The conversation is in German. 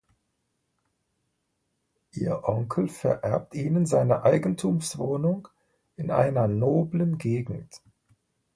Ihr Onkel vererbt ihnen seine Eigentumswohnung in einer noblen Gegend.